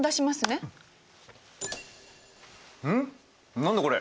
何だこれ？